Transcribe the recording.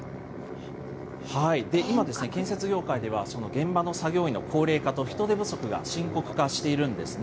今、建設業界では、その現場の作業員の高齢化と人手不足が深刻化しているんですね。